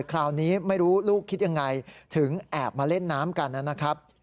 คราวนี้ไม่รู้ลูกคิดยังไงถึงแอบมาเล่นน้ำกันนะครับ